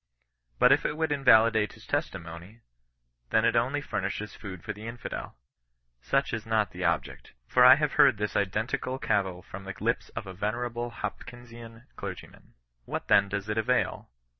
But if it would invalidate his testimony, then it only furnishes food for the infidel. Such is not the object ; for I have heard this identical cavil from the lips of a venerable Hopkinsian clergyman. What then does it avail